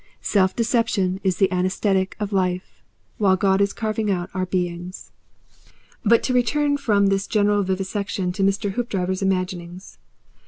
Self deception is the anaesthetic of life, while God is carving out our beings. But to return from this general vivisection to Mr. Hoopdriver's imaginings.